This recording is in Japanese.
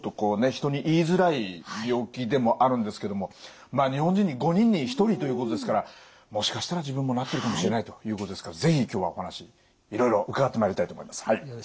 人に言いづらい病気でもあるんですけどもまあ日本人に５人に１人ということですからもしかしたら自分もなってるかもしれないということですから是非今日はお話いろいろ伺ってまいりたいと思います。